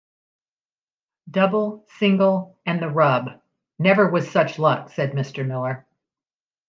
‘Double, single, and the rub.’ ‘Never was such luck,’ said Mr. Miller.